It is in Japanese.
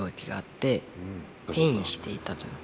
転移していたというか。